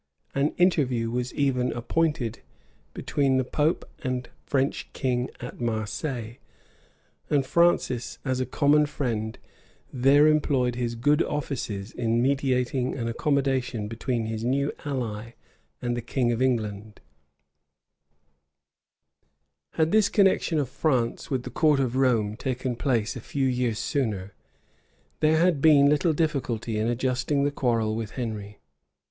An interview was even appointed between the pope and French king at Marseilles; and Francis, as a common friend, there employed his good offices in mediating an accommodation between his new ally and the king of England. * Le Grand, vol. iii. p. 566. Burnet, vol. ii. p. 133. Guicciard. Had this connection of France with the court of Rome taken place a few years sooner, there had been little difficulty in adjusting the quarrel with Henry.